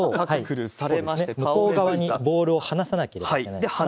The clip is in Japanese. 向こう側にボールを離さなければいけない。